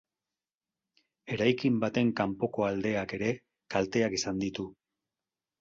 Eraikin baten kanpoko aldeak ere kalteak izan ditu.